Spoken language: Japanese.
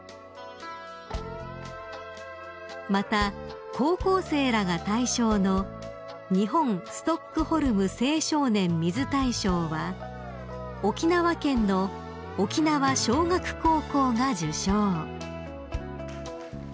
［また高校生らが対象の日本ストックホルム青少年水大賞は沖縄県の沖縄尚学高校が受賞］